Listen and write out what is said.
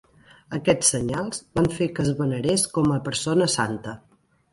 Aquests senyals van fer que es venerés com a persona santa.